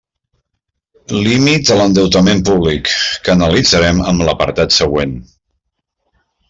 Límit a l'endeutament públic, que analitzarem en l'apartat següent.